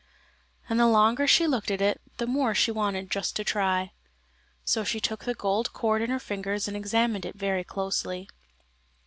And the longer she looked at it, the more she wanted just to try. So she took the gold cord in her fingers and examined it very closely.